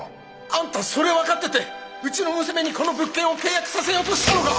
あんたそれ分かっててうちの娘にこの物件を契約させようとしたのか！